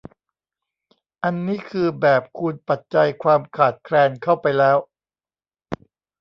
อันนี้คือแบบคูณปัจจัยความขาดแคลนเข้าไปแล้ว